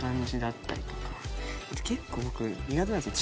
結構僕苦手なんすよ